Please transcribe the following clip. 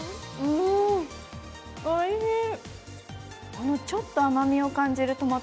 おいしい！